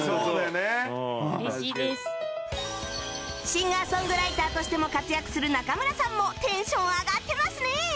シンガーソングライターとしても活躍する仲村さんもテンション上がってますね